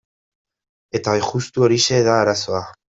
Eta justu horixe da arazoa.